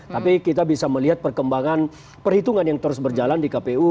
tapi kita bisa melihat perkembangan perhitungan yang terus berjalan di kpu